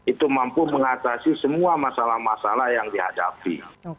itu mampu mengatasi semua masalah masalah yang dihadapi